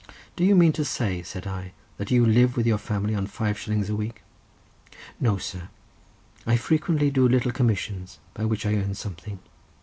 "Do you mean to say," said I, "that you live with your family on five shillings a week?" "No, sir. I frequently do little commissions by which I earn something.